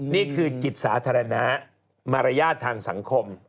นี่คือจิตสาธารณะมารยาททางสังคม